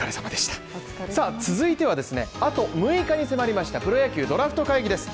続いてはあと６日に迫ったプロ野球ドラフト会議ですね。